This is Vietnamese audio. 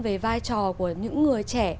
về vai trò của những người trẻ